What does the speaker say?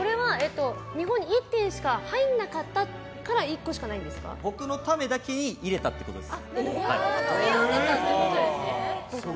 日本に１点しか入らなかったから僕のためだけに取り寄せたってことですね。